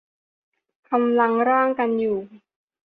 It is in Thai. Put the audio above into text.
กำลังร่างกันอยู่